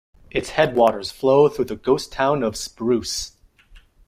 Its headwaters flow through the ghost town of Spruce.